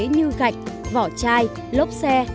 như gạch vỏ chai lốp xe